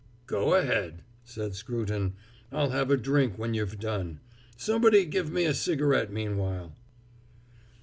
"Go ahead," said Scruton. "I'll have a drink when you've done; somebody give me a cigarette meanwhile."